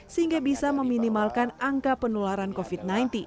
sehingga bisa meminimalkan angka penularan covid sembilan belas